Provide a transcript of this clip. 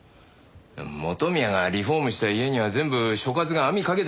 元宮がリフォームした家には全部所轄が網掛けてんだろ？